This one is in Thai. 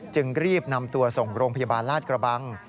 จึงรีบนำตัวส่งโรงพยาบาลลาดกระบัง